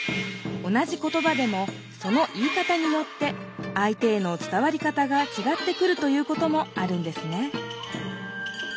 同じ言葉でもその言い方によってあい手への伝わり方がちがってくるということもあるんですね